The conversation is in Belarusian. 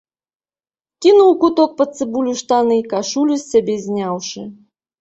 Кінуў у куток пад цыбулю штаны, кашулю, з сябе зняўшы.